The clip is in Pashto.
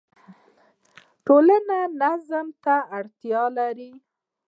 ټولنه نظم ته اړتیا لري.